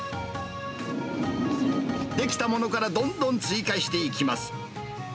出来たものからどんどん追加していきます。